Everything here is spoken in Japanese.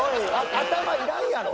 頭いらんやろ！